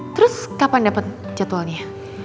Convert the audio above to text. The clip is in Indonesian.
terus kapan dapet jadwalnya